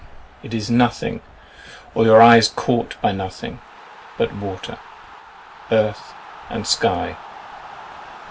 It is nothing (or your eye is caught by nothing) but water, earth, and sky.